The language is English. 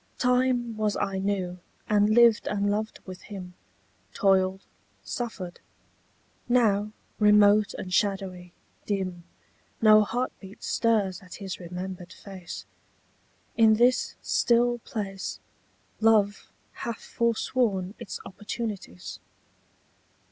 Time was I knew, and lived and loved with him; Toiled, suffered. Now, remote and shadowy, dim, No heartbeat stirs at his remembered face. In this still place Love hath forsworn its opportunities.